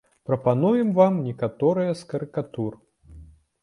Прапануем вам некаторыя з карыкатур.